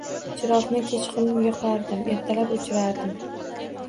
Chiroqni kechqurun yoqardim, ertalab o‘chirardim.